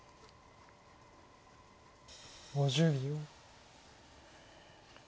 ５０秒。